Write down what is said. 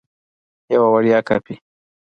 یوه وړیا کاپي